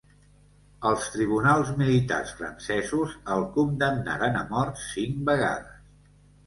Els tribunals militars francesos el condemnaren a mort cinc vegades.